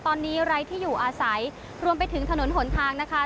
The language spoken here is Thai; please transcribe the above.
ตอนนี้ไร้ที่อยู่อาศัยรวมไปถึงถนนหนทางนะคะ